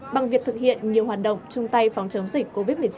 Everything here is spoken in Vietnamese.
bằng việc thực hiện nhiều hoạt động chung tay phòng chống dịch covid một mươi chín